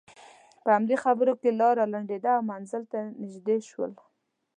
په همدې خبرو کې لاره لنډېده او منزل ته نژدې شول.